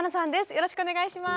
よろしくお願いします。